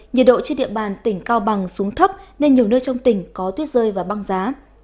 nhiệt độ trên địa bàn tỉnh cao bằng xuống thấp nên nhiều nơi trong tỉnh có tuyết rơi và băng giá